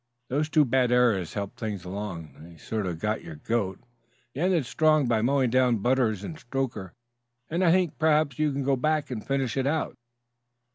"Those two bad errors helped things along; they sort of got your goat. You ended strong by mowing down Butters and Stoker, and I think perhaps you can go back and finish it out."